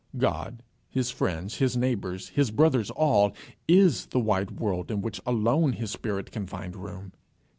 God, his friends, his neighbours, his brothers all, is the wide world in which alone his spirit can find room.